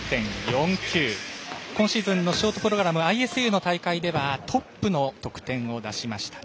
今シーズンのショートプログラムＩＳＵの大会ではトップの得点を出しました。